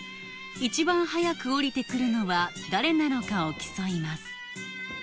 一番早くおりてくるのは誰なのかを競います